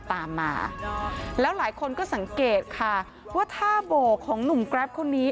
ตามมาแล้วหลายคนก็สังเกตค่ะว่าท่าโบกของหนุ่มแกรปคนนี้